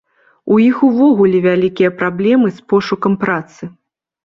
У іх увогуле вялікія праблемы з пошукам працы.